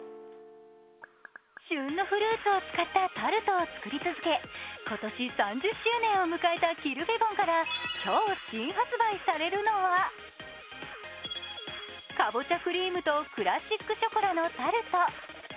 旬のフルーツを使ったタルトを作り続け今年３０周年を迎えたキルフェボンから今日新発売されるのはカボチャクリームとクラシックショコラのタルト。